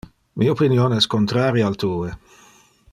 Mi opinion es contrari al tue.